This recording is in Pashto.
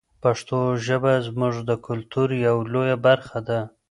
پښتو ژبه زموږ د کلتور یوه لویه برخه ده.